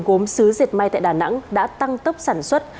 gốm xứ dệt may tại đà nẵng đã tăng tốc sản xuất